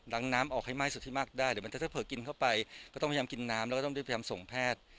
ล้างน้ำออกให้ไหม้สุดที่มากได้เดี๋ยวมันถ้าเผลอกินเข้าไปก็ต้องพยายามกินน้ำแล้วก็ต้องพยายามส่งแพทย์